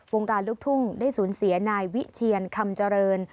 การลูกทุ่งได้สูญเสียนายวิเชียนคำเจริญ